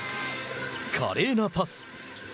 華麗なパス。